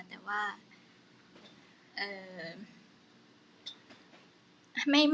แต่ว่าเอ่อ